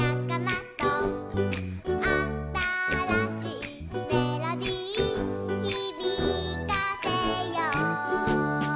「あたらしいメロディひびかせよう」